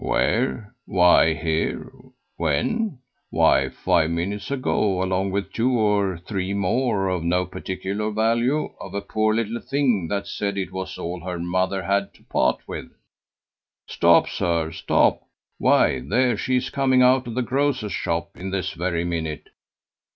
"Where? Why here. When? Why five minutes ago, along with two or three more, of no particular value, of a poor little thing that said it was all her mother had to part with Stop, sir, stop; why, there she is coming out of the grocer's shop this very minute.